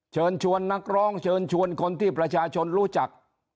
เชิญชวนนักร้องเชิญชวนคนที่ประชาชนรู้จัก